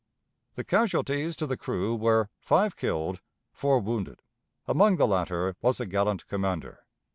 The casualties to the crew were five killed, four wounded among the latter was the gallant commander.